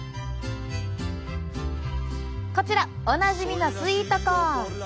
こちらおなじみのスイートコーン。